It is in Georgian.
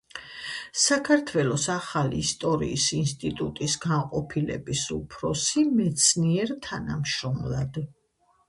საქართველოს ახალი ისტორიის ინსტიტუტის განყოფილების უფროს მეცნიერ თანამშრომლად.